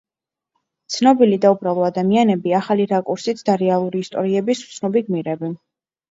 ცნობილი და უბრალო ადამიანები ახალი რაკურსით და რეალური ისტორიების უცნობი გმირები.